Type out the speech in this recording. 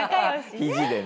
ひじでね。